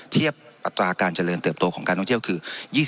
เทียบอัตราการเจริญเติบโตของการท่องเที่ยวคือ